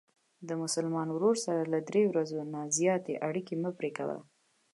د مسلمان ورور سره له درې ورځو نه زیاتې اړیکې مه پری کوه.